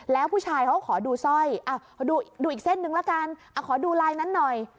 แล้วผู้ชายเขาก็ขอดูสร้อยดูอีกเส้นหนึ่งละกันขอดูลายนั้นหน่อย